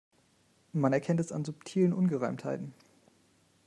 Man erkennt es an subtilen Ungereimtheiten.